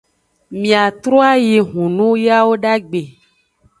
Miatroayi hunun yawodagbe.